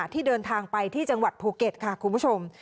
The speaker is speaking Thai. ที่เดินทางไปที่จังหวัดภูเก็ตค่ะคุณผู้ชม